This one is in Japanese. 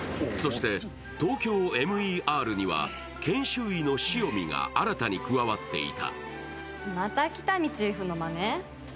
そしてＴＯＫＹＯＭＥＲには、研修医の潮見が新たに加わっていた。